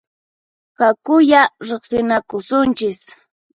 Hakuyá riqsinakusunchis!